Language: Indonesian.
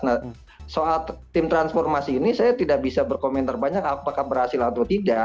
nah soal tim transformasi ini saya tidak bisa berkomentar banyak apakah berhasil atau tidak